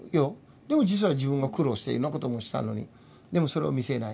でも実は自分が苦労していろんなこともしたのにでもそれを見せない。